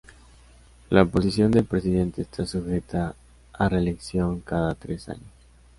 La posición del presidente está sujeta a reelección cada tres años.